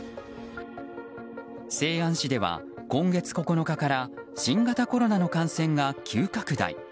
西安市では、今月９日から新型コロナの感染が急拡大。